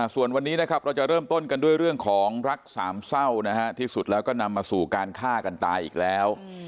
ส่วนวันนี้นะครับเราจะเริ่มต้นกันด้วยเรื่องของรักสามเศร้านะฮะที่สุดแล้วก็นำมาสู่การฆ่ากันตายอีกแล้ว